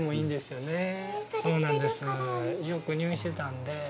よく入院してたんで。